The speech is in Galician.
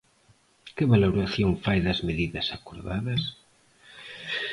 Que valoración fai das medidas acordadas?